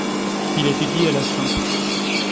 Il étudie à la St.